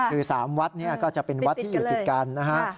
คือ๓วัดเนี่ยก็จะเป็นวัดที่อยู่ติดกันนะฮะ